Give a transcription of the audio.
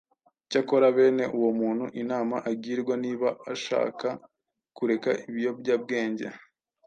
Cyakora bene uwo muntu inama agirwa niba ashaka kureka ibiyobyabwenge